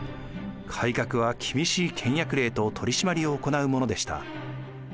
改革は厳しい倹約令と取り締まりを行うものでした。